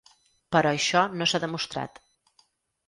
Però això no s’ha demostrat.